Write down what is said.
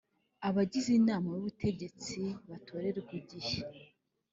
Abagize inama y ubutegetsi batorerwa igihe